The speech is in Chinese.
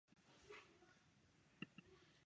郭泉在香港曾任保良局及东华医院总理。